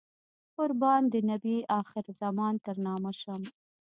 قربان د نبي اخر الزمان تر نامه شم.